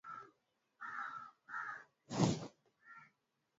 shamba litunzwe liweze kuzaa vizuri na mkulima aweze kupata mavuno mengi